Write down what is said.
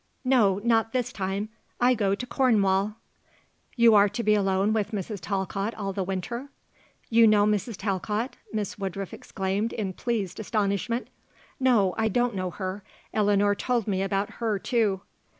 "No; not this time. I go to Cornwall." "You are to be alone with Mrs. Talcott all the winter?" "You know Mrs. Talcott?" Miss Woodruff exclaimed in pleased astonishment. "No; I don't know her; Eleanor told me about her, too."